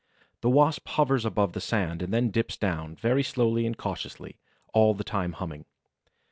The Wasp hovers above the sand and then dips down, very slowly and cautiously, all the time humming.